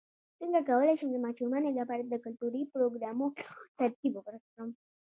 څنګه کولی شم د ماشومانو لپاره د کلتوري پروګرامونو ترتیب ورکړم